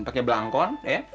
pakai belangkon ya